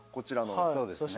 そうですね。